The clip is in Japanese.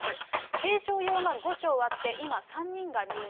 軽症用が５床あって、今、３人が入院。